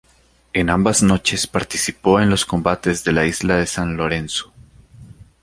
En ambas noches participó en los combates de la isla San Lorenzo.